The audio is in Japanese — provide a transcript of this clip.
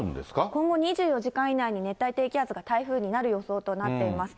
今後２４時間以内に熱帯低気圧が台風になる予想となっています。